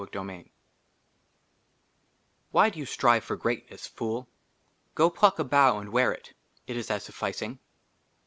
56 J LII WHY DO YOU STRIVE FOR GREATNESS, FOOL? GO PLUCK A BOUGH AND WEAR IT. IT IS AS SUFFICING.